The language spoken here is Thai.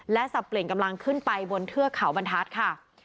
และสับเปลี่ยนกำลังขึ้นไปบนเทือกเขาบรรทัศน์ค่ะ